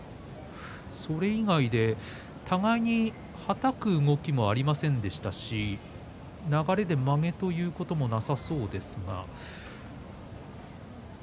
それ以外で互いにはたく動きもありませんでしたし流れで負けということもなさそうですが。